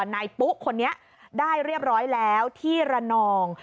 นายปุ๊คนนี้ได้เรียบร้อยแล้วที่ระนอง